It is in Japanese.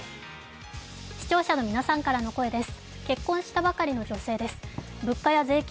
視聴者の皆さんからの声です。